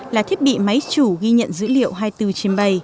là thiết bị máy chủ ghi nhận dữ liệu hai mươi bốn trên bảy